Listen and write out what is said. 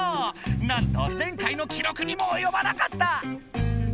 なんと前回の記録にもおよばなかった！